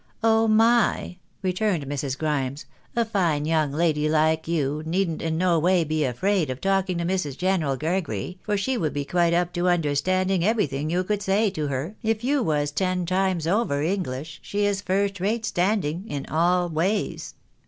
"Oh my!" returned Mrs. Grimes, "a fine young lady like you needn't in no way be afraid of talking to Mrs. General Gregory, for she would be quite up to understanding everything you could say to her, if you was ten times over English, she is first rate standing in all ways."